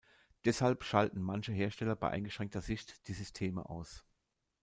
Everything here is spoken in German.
Deshalb schalten manche Hersteller bei eingeschränkter Sicht die Systeme aus.